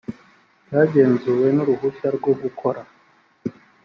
cyagenzuwe n uruhushya rwo gukora